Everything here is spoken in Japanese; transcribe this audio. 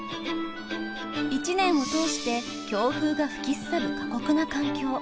一年を通して強風が吹きすさぶ過酷な環境。